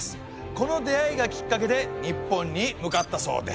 この出会いがきっかけで日本に向かったそうです。